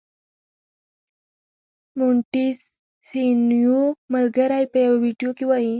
مونټیسینویو ملګری په یوه ویډیو کې وايي.